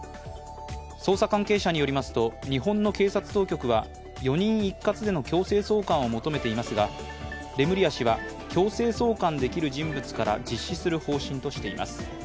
捜査関係者によりますと日本の警察当局は４人一括での強制送還を求めていますがレムリヤ氏は強制送還できる人物から実施する方針としています。